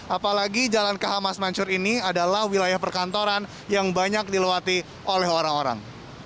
apalagi jalan kahamas mancur ini adalah wilayah perkantoran yang banyak dilewati oleh orang orang